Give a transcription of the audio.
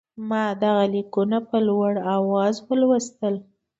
ما دغه لیکونه په لوړ آواز ولوستل.